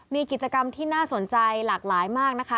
มีกิจกรรมที่น่าสนใจหลากหลายมากนะคะ